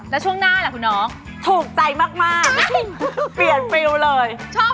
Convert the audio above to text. แล้วช่วงหน้าแหละคุณน้อง